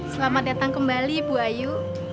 selamat datang kembali bu ayu